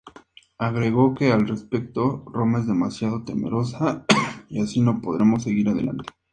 Agregó que al respecto "Roma es demasiado temerosa, y así no podremos seguir adelante".